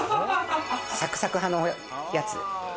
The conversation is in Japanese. サクサク派のやつ。